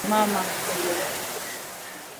Mutoto yangu ana koyolea mu mashamba ya mama